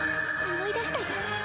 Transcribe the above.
思い出したよ。